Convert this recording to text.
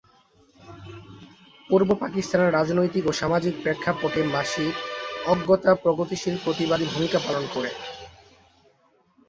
পূর্ব পাকিস্তানের রাজনৈতিক ও সামাজিক প্রেক্ষাপটে মাসিক ‘অগত্যা’ প্রগতিশীল প্রতিবাদী ভূমিকা পালন করে।